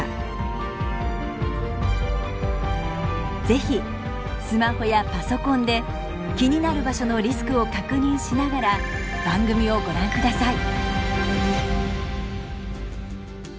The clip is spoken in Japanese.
是非スマホやパソコンで気になる場所のリスクを確認しながら番組をご覧ください。